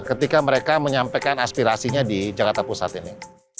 ketika mereka menyampaikan aspirasinya di jakarta pusat ini